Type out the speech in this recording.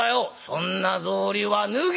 「そんな草履は脱げ！